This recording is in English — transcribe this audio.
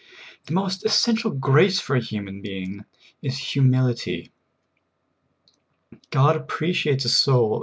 The most essential grace for a human being is humility ; God appreciates a soul 50 SOUL FOOD.